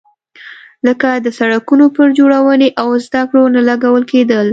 لکه د سړکونو پر جوړونې او زده کړو نه لګول کېدل.